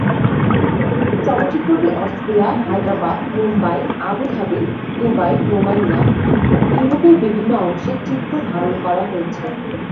চলচ্চিত্রটি Austria, Hyderabad, Mumbai, Abu Dhabi, Dubai, Romania, ও ইউরোপের বিভিন্ন অংশে চিত্র ধারণ করা হয়েছে।